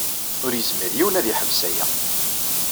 Ur yezmir yiwen ad yeḥbes aya.